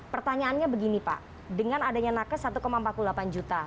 pertanyaannya begini pak dengan adanya nakes satu empat puluh delapan juta